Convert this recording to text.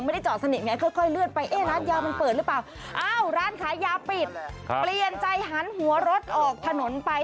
พอหักซ้ายก็พุ่งชนรถที่อยู่หน้านั้น